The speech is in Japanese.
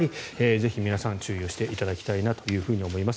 ぜひ皆さん注意していただきたいなと思います。